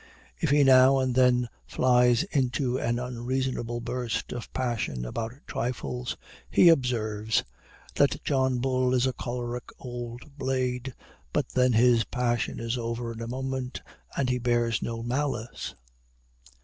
If he now and then flies into an unreasonable burst of passion about trifles, he observes, that John Bull is a choleric old blade, but then his passion is over in a moment, and he bears no malice.